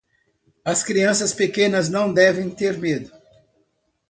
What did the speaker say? As crianças pequenas não devem ter medo.